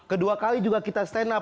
kedua kali juga kita stand up